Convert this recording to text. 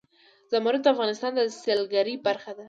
زمرد د افغانستان د سیلګرۍ برخه ده.